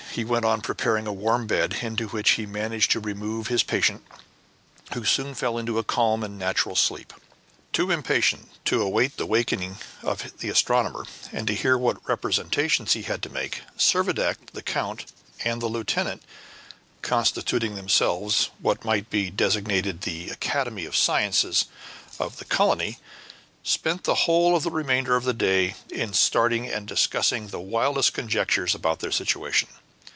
He went on preparing a warm bed, into which he managed to remove his patient, who soon fell into a calm and natural sleep. Too impatient to await the awakening of the astronomer and to hear what representations he had to make, Servadac, the count, and the lieutenant, constituting themselves what might be designated "the Academy of Sciences" of the colony, spent the whole of the remainder of the day in starting and discussing the wildest conjectures about their situation.